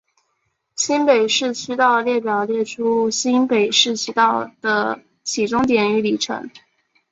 新北市区道列表列出新北市区道的起终点与里程。